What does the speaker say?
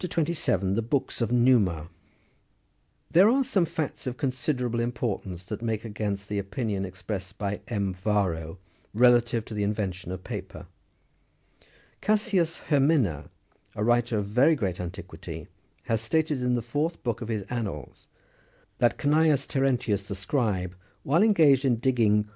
27. (13.) THE BOOKS OF NTJMA. There are some facts of considerable importance which make against the opinion expressed by M. Varro, relative to tho invention of paper. Cassius Hemina, a writer of very great antiquity, has stated in the Fourth Book of his Annals, that Cneius Terentius, the scribe, while engaged in digging on his 2S See B.